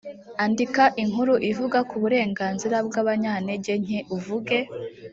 andika inkuru ivuga ku burenganzira bw abanyantege nke uvuge